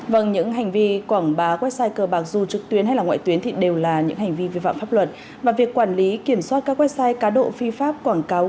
vâng những hành vi quảng bá website cơ bạc dù trực tuyến hay là ngoại tuyến thì đều là những hành vi vi phạm pháp luật và việc quản lý kiểm soát các website cá độ phi pháp quảng cáo